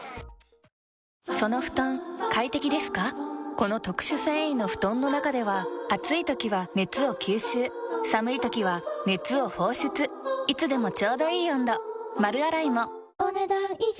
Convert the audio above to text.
この特殊繊維の布団の中では暑い時は熱を吸収寒い時は熱を放出いつでもちょうどいい温度丸洗いもお、ねだん以上。